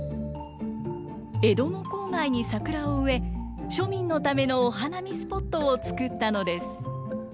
江戸の郊外に桜を植え庶民のためのお花見スポットを作ったのです。